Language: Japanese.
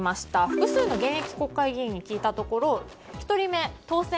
複数の現役国会議員に聞いたところ１人目、当選